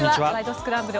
スクランブル」